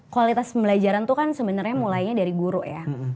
kualitas pembelajaran itu kan sebenarnya mulainya dari guru ya